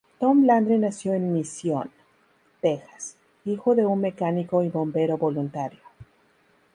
Tom Landry nació en Mission, Texas, hijo de un mecánico y bombero voluntario.